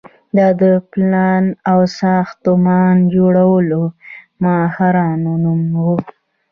دا د پلان او ساختمان جوړولو ماهرانو نوم و.